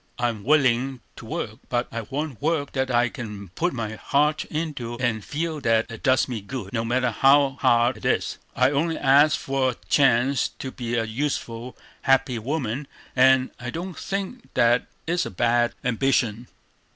I'm willing to work, but I want work that I can put my heart into, and feel that it does me good, no matter how hard it is. I only ask for a chance to be a useful, happy woman, and I don't think that is a bad ambition.